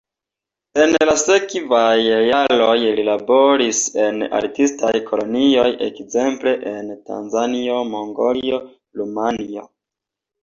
En la sekvaj jaroj li laboris en artistaj kolonioj ekzemple en Tanzanio, Mongolio, Rumanio.